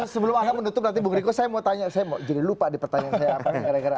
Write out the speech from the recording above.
sebelum anda menutup nanti bu griko saya mau tanya jadi lupa dipertanyaan saya apa